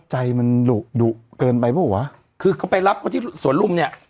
ใจมันดุดุเกินไปเปล่าวะคือเขาไปรับเขาที่สวนลุมเนี่ย